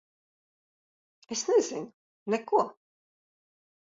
Es nezinu. Neko.